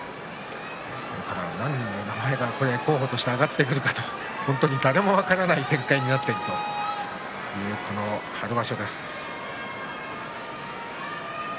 何人の名前が候補として挙がってくるかという何も分からない展開になってくるという春場所です。